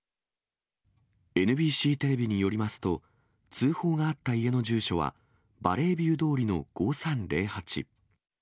ＮＢＣテレビによりますと、通報があった家の住所はバレービュー通りの５３０８。